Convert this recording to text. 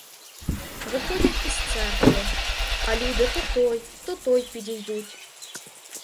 Виходять із церкви, а люди то той, то той підійдуть.